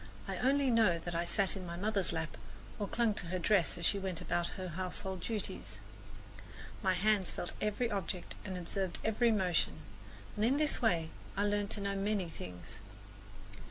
I only know that I sat in my mother's lap or clung to her dress as she went about her household duties. My hands felt every object and observed every motion, and in this way I learned to know many things.